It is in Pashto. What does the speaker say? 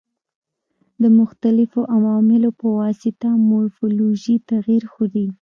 د مختلفو عواملو په واسطه مورفولوژي تغیر خوري.